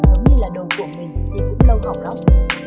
giống như là đầu của mình thì cũng lâu học lắm